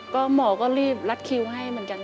ก็หมอก็รีบรัดคิวให้เหมือนกัน